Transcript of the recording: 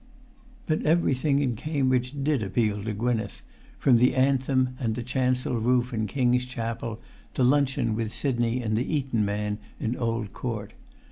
But everything in Cambridge did appeal to Gwynneth, from the anthem and the chancel roof in King's Chapel to luncheon with Sidney and the Eton man in Old Court.